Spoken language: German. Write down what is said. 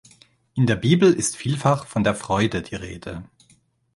In der Bibel ist vielfach von der Freude die Rede.